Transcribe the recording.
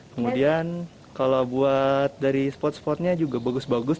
kemudian kalau buat dari spot spotnya juga bagus bagus